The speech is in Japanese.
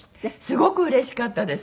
すごくうれしかったです。